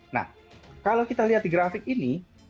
nah kalau kita lihat di grafik ini